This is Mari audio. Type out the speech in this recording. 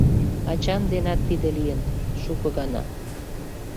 Ачам денат тиде лийын... шуко гана.